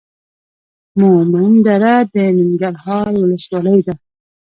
مومندره د ننګرهار ولسوالۍ ده.